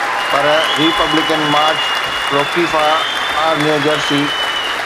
per Republican Marge Roukema, R New Jersey